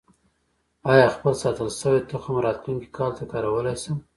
آیا خپل ساتل شوی تخم راتلونکي کال ته کارولی شم؟